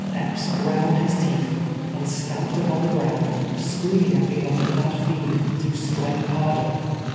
Epps ground his teeth, and stamped upon the ground, screaming at me, like a mad liend, to strike harder.